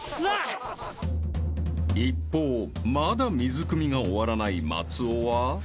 ［一方まだ水汲みが終わらない松尾は］